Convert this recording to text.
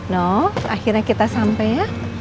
no akhirnya kita sampai ya